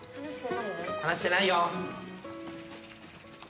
離してないよね。